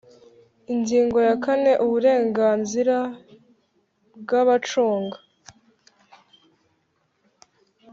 Ingingo ya kane Uburenganzira bw abacunga